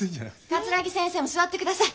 桂木先生も座ってください。